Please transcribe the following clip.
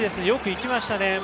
よく行きましたね。